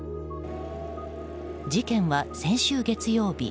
事件は先週月曜日